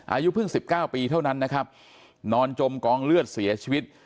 อายุเพิ่ง๑๙ปีเท่านั้นนะครับนอนจมกองเลือดเสียชีวิต